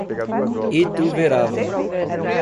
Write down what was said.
Ituverava